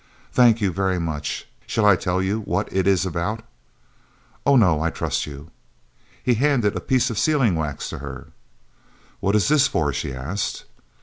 "Thank you very much. Shall I tell you what it is about?" "Oh no; I trust you." He handed a piece of sealing wax to her. "What is this for?" she asked.